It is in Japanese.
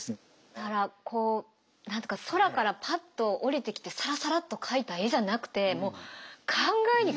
だからこう何か空からパッと降りてきてさらさらっと描いた絵じゃなくてもう考えに考え